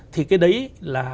thì cái đấy là